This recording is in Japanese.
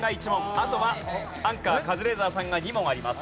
あとはアンカーカズレーザーさんが２問あります。